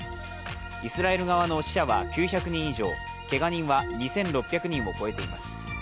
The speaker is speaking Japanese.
イスラエル側の死者は９００人以上、けが人は２６００人を超えています。